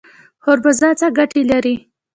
خربوزه څه ګټه لري؟